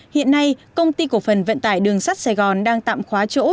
hiện nay công ty cổ phần vận tải đường sắt sài gòn đang tạm khóa chỗ